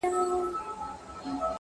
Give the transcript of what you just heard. • چي قاضي وي چي دا گيند او دا ميدان وي,